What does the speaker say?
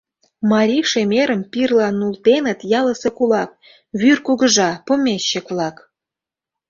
Марий шемерым пирыла нултеныт ялысе кулак, вӱр кугыжа, помещик-влак.